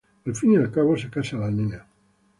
Al fin y al cabo se casa la nena.